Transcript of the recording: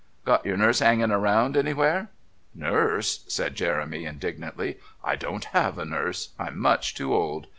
Got your nurse 'anging around anywhere?" "Nurse?" said Jeremy indignantly. "I don't have a nurse. I'm much too old!